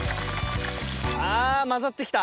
あ混ざってきた！